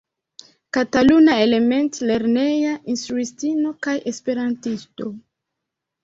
Kataluna element-lerneja instruistino kaj esperantisto.